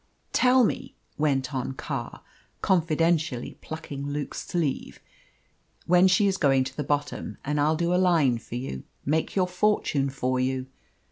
"Tell me," went on Carr, confidentially plucking Luke's sleeve, "when she is going to the bottom, and I'll do a line for you make your fortune for you.